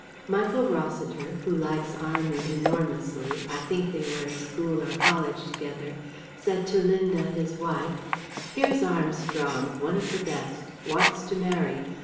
Michael Rossiter who likes 'Army' enormously I think they were at school or college together said to Linda, his wife: 'Here's Armstrong. One of the best. Wants to marry.